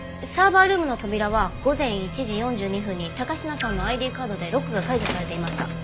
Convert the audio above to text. サーバールームの扉は午前１時４２分に高階さんのＩＤカードでロックが解除されていました。